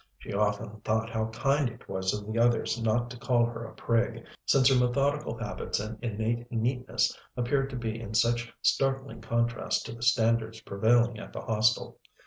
She often thought how kind it was of the others not to call her a prig, since her methodical habits and innate neatness appeared to be in such startling contrast to the standards prevailing at the Hostel.